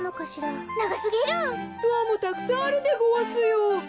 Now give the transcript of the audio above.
ドアもたくさんあるでごわすよ。